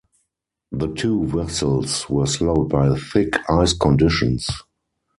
The two vessels were slowed by thick ice conditions.